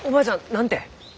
何て？